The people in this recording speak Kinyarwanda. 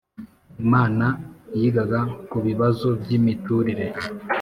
inama yigaga ku bibazo by’imiturire